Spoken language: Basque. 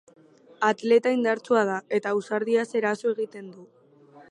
Atleta indartsua da, eta ausardiaz eraso egiten du.